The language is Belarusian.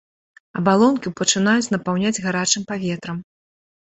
Абалонку пачынаюць напаўняць гарачым паветрам.